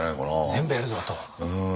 全部やるぞと。